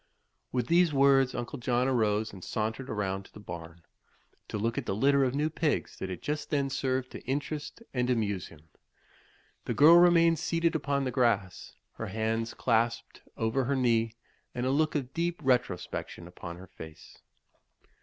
With these words Uncle John arose and sauntered around to the barn, to look at the litter of new pigs that just then served to interest and amuse him. The girl remained seated upon the grass, her hands clasped over her knee and a look of deep retrospection upon her face.